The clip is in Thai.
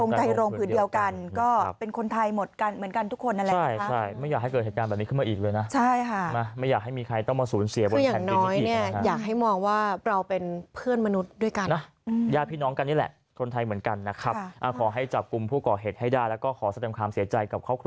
พงไทยรงค์พื้นเดียวกันก็เป็นคนไทยเหมือนกันทุกคนนั่นแหละ